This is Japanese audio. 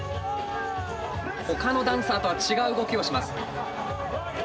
ほかのダンサーとは違う動きをします。